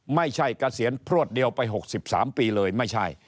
ไม่ใช่กระเสียญพรวดเดียวไป๖๓ปีเลยไม่ใช่